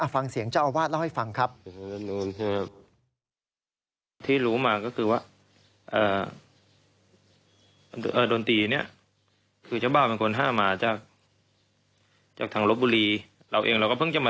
ฟังเสียงเจ้าอาวาสเล่าให้ฟังครับ